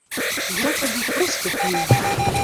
Я тады проста піў.